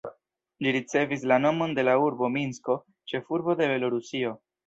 Ĝi ricevis la nomon de la urbo Minsko, ĉefurbo de Belorusio.